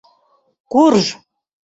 — Курж!